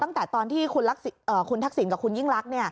ตั้งแต่ตอนที่คุณทักษิณกับคุณยิ่งรัก